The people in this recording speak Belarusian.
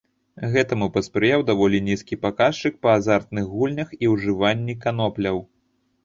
Гэтаму паспрыяў даволі нізкі паказчык па азартных гульнях і ўжыванні канопляў.